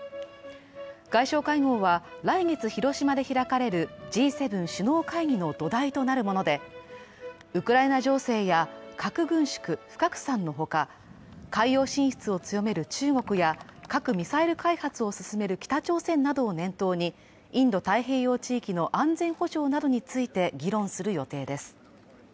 外相会合は来月、広島で開かれるＧ７首脳会議の土台となるものでウクライナ情勢や核軍縮・不拡散のほか、海洋進出を強める中国や核・ミサイル開発を進める北朝鮮などを念頭に、インド太平洋地域の安全保障などについて議論する予定です。